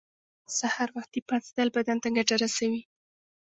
سهار وختی پاڅیدل بدن ته ګټه رسوی